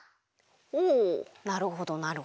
おおなるほどなるほど。